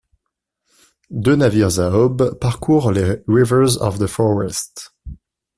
Deux navires à aubes parcourent les Rivers of the Far West.